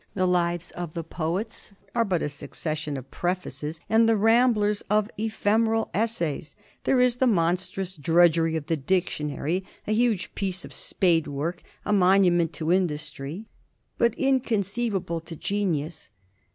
"The Lives of the Poets" are but a succession of prefaces, and the "Ramblers" of ephemeral essays. There is the monstrous drudgery of the Dictionary, a huge piece of spadework, a monument to industry, but inconceivable to genius.